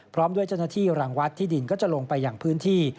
พร้อมด้วยเจ้าหน้าที่รังวัดที่ดินก็จะลงไปอย่างพื้นที่